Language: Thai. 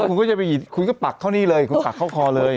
คุณก็จะไปหยิบคุณก็ปักเข้านี่เลยคุณปักเข้าคอเลย